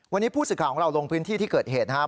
วันนี้ผู้สื่อข่าวของเราลงพื้นที่ที่เกิดเหตุนะครับ